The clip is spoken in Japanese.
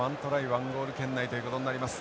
１ゴール圏内ということになります